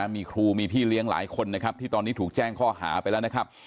มีครูมีพี่เลี้ยงหลายคนนะครับที่ตอนนี้ถูกแจ้งข้อหาไปแล้วนะครับ